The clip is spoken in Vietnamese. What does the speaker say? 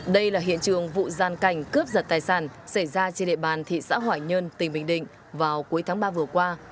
đây là hiện trường vụ gian cảnh cướp giật tài sản xảy ra trên địa bàn thị xã hoài nhơn tỉnh bình định vào cuối tháng ba vừa qua